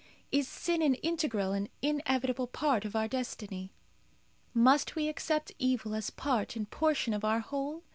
Is sin an integral and inevitable part of our destiny? Must we accept evil as part and portion of our whole?